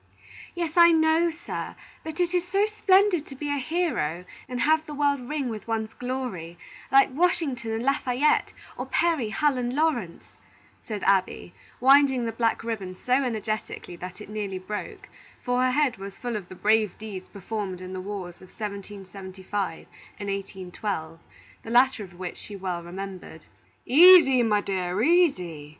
"Yes, I know, sir; but it is so splendid to be a hero, and have the world ring with one's glory, like Washington and Lafayette, or Perry, Hull, and Lawrence," said Abby, winding the black ribbon so energetically that it nearly broke; for her head was full of the brave deeds performed in the wars of 1775 and 1812, the latter of which she well remembered. "Easy, my dear, easy!